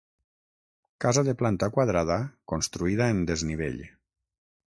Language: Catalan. Casa de planta quadrada, construïda en desnivell.